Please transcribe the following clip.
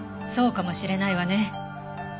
そうかもしれないわね。